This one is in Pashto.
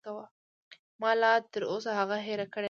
ما لاتر اوسه هغه هېره کړې نه ده.